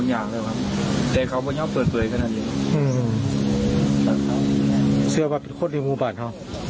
เชื่อว่าแกเป็นคนในมุมบันหรอ